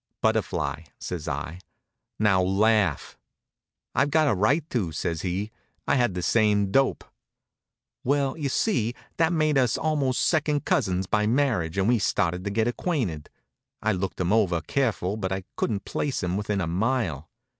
"Butterfly," says I. "Now laugh!" "I've got a right to," says he. "I had the same dope." Well, you see, that made us almost second cousins by marriage and we started to get acquainted. I looked him over careful but I couldn't place him within a mile.